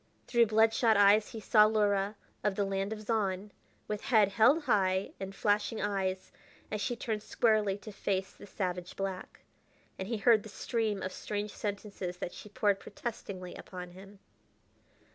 Through blood shot eyes he saw Luhra, of the land of Zahn, with head held high and flashing eyes as she turned squarely to face the savage black. And he heard the stream of strange sentences that she poured protestingly upon him.